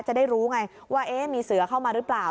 จะได้รู้ไงว่ามีเสือเข้ามาหรือเปล่า